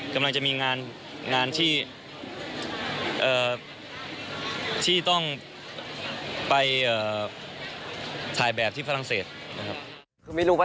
กำลังจะมีงานที่ต้องไปถ่ายแบบที่ฝรั่งเศสนะครับ